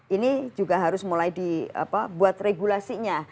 ini juga harus mulai dibuat regulasinya